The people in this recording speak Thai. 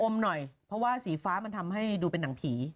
หน่อยเพราะว่าสีฟ้ามันทำให้ดูเป็นหนังผี